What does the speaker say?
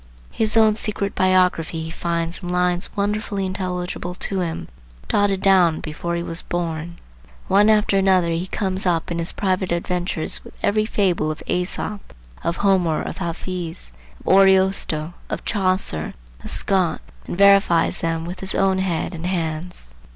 His own secret biography he finds in lines wonderfully intelligible to him, dotted down before he was born. One after another he comes up in his private adventures with every fable of Æsop, of Homer, of Hafiz, of Ariosto, of Chaucer, of Scott, and verifies them with his own head and hands.